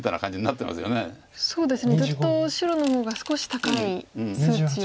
そうですねずっと白の方が少し高い数値を。